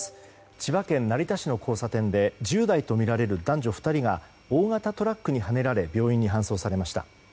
千葉県成田市の交差点で１０代とみられる男女２人が大型トラックにはねられ病院に搬送されました。